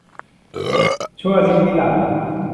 ชั่วนิจนิรันดร์